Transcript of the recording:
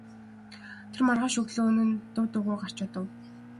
Тэр маргааш өглөө нь дув дуугүй гарч одов.